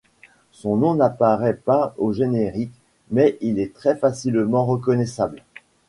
Son nom n'apparaît pas au générique mais il est très facilement reconnaissable.